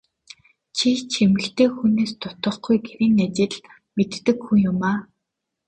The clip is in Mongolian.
Чи ч эмэгтэй хүнээс дутахгүй гэрийн ажил мэддэг хүн юмаа.